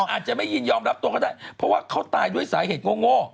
อาจจะไม่ยินยอมรับตัวก็ได้เพราะว่าเขาตายด้วยสาเหตุโง่